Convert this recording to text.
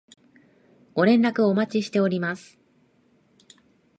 ご連絡お待ちしております